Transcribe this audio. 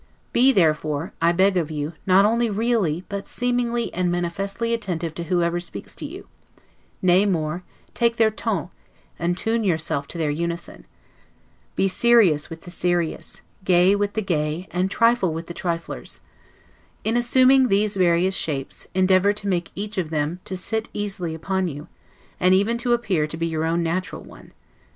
Be therefore, I beg of you, not only really, but seemingly and manifestly attentive to whoever speaks to you; nay, more, take their 'ton', and tune yourself to their unison. Be serious with the serious, gay with the gay, and trifle with the triflers. In assuming these various shapes, endeavor to make each of them seem to sit easy upon you, and even to appear to be your own natural one.